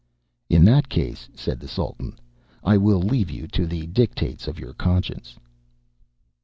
"In that case," said the Sultan, "I will leave you to the dictates of your conscience."